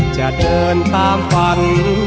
จะเดินตามฝัน